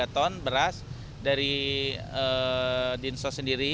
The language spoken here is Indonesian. dua tiga ton beras dari dinso sendiri